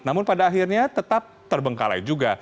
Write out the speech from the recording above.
namun pada akhirnya tetap terbengkalai juga